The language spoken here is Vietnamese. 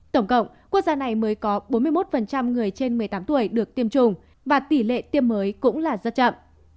tổng cộng quốc gia này mới có bốn mươi một người trên một mươi tám tuổi được tiêm chủng và tỷ lệ tiêm mới cũng là rất chậm